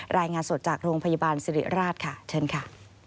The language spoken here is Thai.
รายงานสดจากโรงพยาบาลสิริราชค่ะเชิญค่ะ